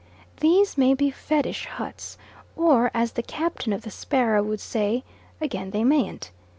These may be fetish huts, or, as the captain of the Sparrow would say, "again they mayn't."